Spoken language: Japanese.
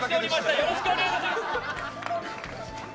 よろしくお願いします。